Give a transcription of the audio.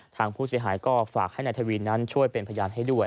ทางผู้เสียหายก็ฝากให้นายทวีนั้นช่วยเป็นพยานให้ด้วย